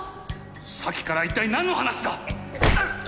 さっきから一体なんの話だ！ウッ！